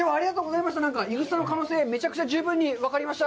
いぐさの可能性、めちゃくちゃ十分に分かりました。